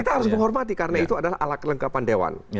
kita harus menghormati karena itu adalah alat kelengkapan dewan